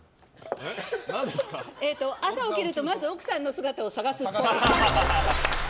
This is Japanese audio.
朝起きるとまず奥さんの姿を探すっぽい。